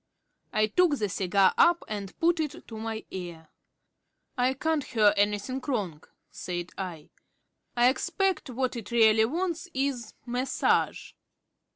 I took the cigar up and put it to my ear. "I can't hear anything wrong," I said. "I expect what it really wants is massage."